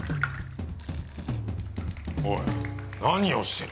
おい何をしてる？